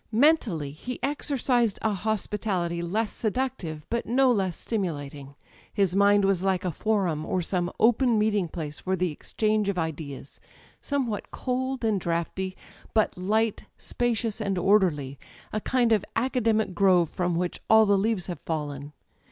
Mentally he exercised a hospitality less seductive but no less stimulating. His mind was like a forum, or some open meeting place for the exchange of ideas : somewhat cold and draughty, but light, spacious and orderly â€" ^a kind of academic grove from which all the leaves have fallen.